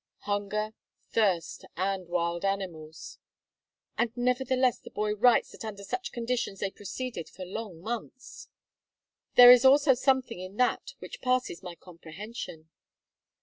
"Hunger, thirst, and wild animals." "And nevertheless the boy writes that under such conditions they proceeded for long months." "There is also something in that which passes my comprehension."